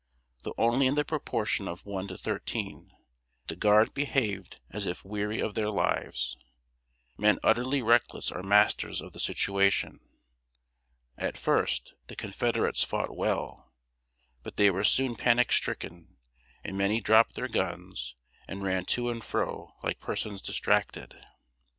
Though only in the proportion of one to thirteen, the Guard behaved as if weary of their lives. Men utterly reckless are masters of the situation. At first, the Confederates fought well; but they were soon panic stricken, and many dropped their guns, and ran to and fro like persons distracted.